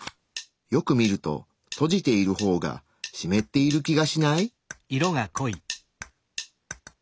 よく見ると閉じている方がしめっている気がしない？